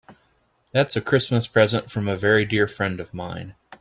That's a Christmas present from a very dear friend of mine.